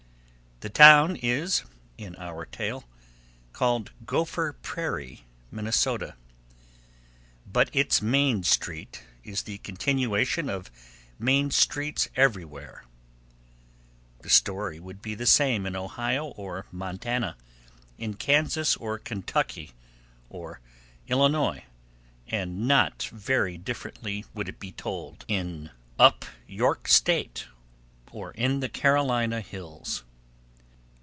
The town is, in our tale, called "Gopher Prairie, Minnesota." But its Main Street is the continuation of Main Streets everywhere. The story would be the same in Ohio or Montana, in Kansas or Kentucky or Illinois, and not very differently would it be told Up York State or in the Carolina hills.